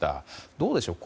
どうでしょう